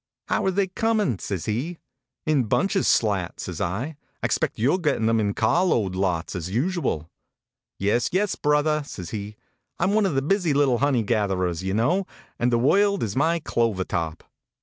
" How re they coming? " says he. " In bunches, Slat," says I. " I expect HONK, HONK! you re gettin em in carload lots, as usual?" Yes, yes, brother," says he. " I m one of the busy little honey gatherers, you know, and the world is my clover top."